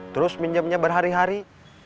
terus pinjemnya berhari hari